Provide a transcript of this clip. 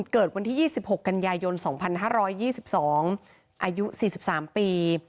เกิดวันที่๒๖กันยายน๒๕๒๒อายุ๔๓ปี